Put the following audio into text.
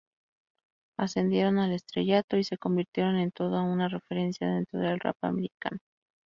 Ascendieron al estrellato y se convirtieron en todo una referencia dentro del rap americano.